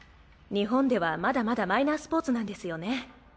日本ではまだまだマイナースポーツなんですよね。